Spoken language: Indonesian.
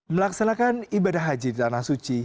melaksanakan ibadah haji di tanah suci